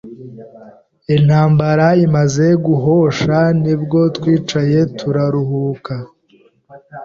intambara imaje guhosha nibwo twicaye turaruhuka